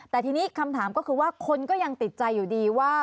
แต่ทีนี้คำถามก็คือว่าคนก็ยังติดใจอยู่ดีว่า